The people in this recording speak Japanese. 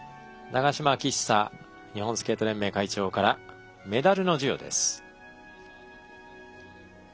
長島昭久日本スケート連盟会長からメダルの授与です。